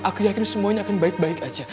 aku yakin semuanya akan baik baik aja